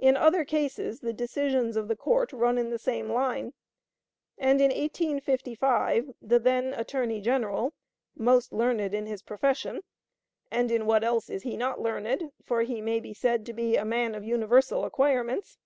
In other cases the decisions of the Court run in the same line; and in 1855 the then Attorney General, most learned in his profession and in what else is he not learned, for he may be said to be a man of universal acquirements?